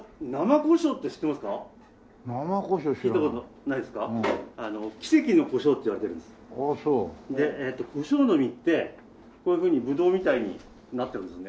胡椒の実ってこういうふうにブドウみたいになっているんですね。